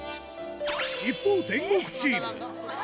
一方、天国チーム。